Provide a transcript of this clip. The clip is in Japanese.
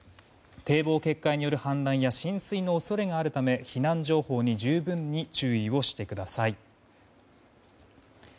堤防決壊による氾濫や浸水の恐れがあるため避難情報に十分に注意をしてください。